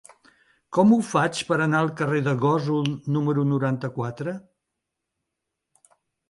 Com ho faig per anar al carrer de Gósol número noranta-quatre?